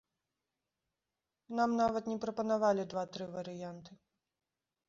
Нам нават не прапанавалі два-тры варыянты.